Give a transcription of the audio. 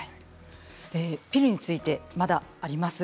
ピルについてまだあります。